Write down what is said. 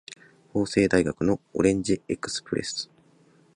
法政大学のオレンジエクスプレス